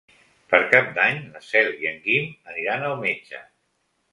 Per Cap d'Any na Cel i en Guim aniran al metge.